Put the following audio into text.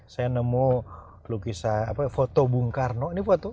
saya nemu lukisan foto bung karno ini foto